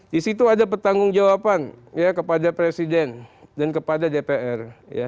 di situ ada pertanggung jawaban kepada presiden dan kepada dpr